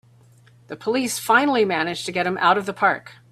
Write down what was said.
The police finally manage to get him out of the park!